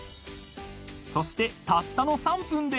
［そしてたったの３分で］